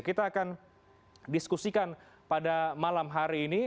kita akan diskusikan pada malam hari ini